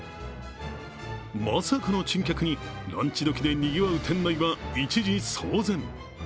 まさかの珍客にランチ時でにぎわう店内は一時騒然。